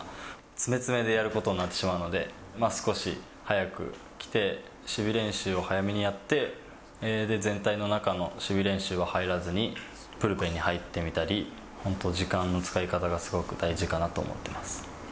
詰め詰めでやることになってしまうので、少し早く来て、守備練習を早めにやって、で、全体の中の守備練習は入らずに、ブルペンに入ってみたり、本当、時間の使い方がすごく大事かなと思ってます。